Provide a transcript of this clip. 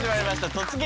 「突撃！